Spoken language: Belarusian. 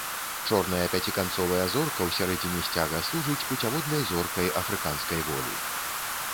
Чорная пяціканцовая зорка ў сярэдзіне сцяга служыць пуцяводнай зоркай афрыканскай волі.